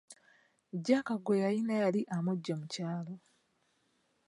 Jack gwe yalina yali amugye mu kyalo.